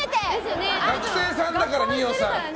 学生さんだから、二葉さん。